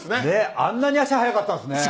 あんなに足、速かったんですね。